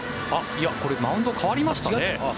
これマウンド代わりましたね。